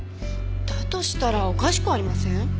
だとしたらおかしくありません？